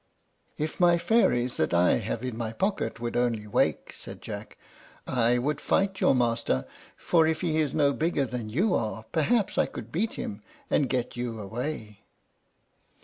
"If my fairies that I have in my pocket would only wake," said Jack, "I would fight your master; for if he is no bigger than you are, perhaps I could beat him, and get you away."